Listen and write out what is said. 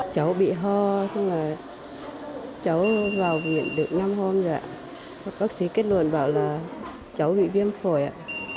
cháu vào viện được năm hôm rồi ạ bác sĩ kết luận bảo là cháu bị viêm phổi ạ